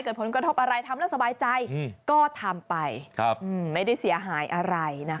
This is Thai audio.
เกิดผลกระทบอะไรทำให้สบายใจอืมก็ทำไปครับอืมไม่ได้เสียหายอะไรนะคะ